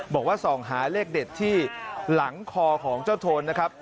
บอกว่าส่องหาเลขเด็ดที่หลังคอของเจ้าโทนนะครับ